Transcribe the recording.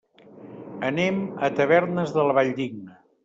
Anem a Tavernes de la Valldigna.